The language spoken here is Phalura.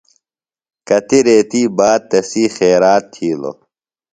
کتیۡ ریتیۡ باد تسی خیرات تھیلوۡ۔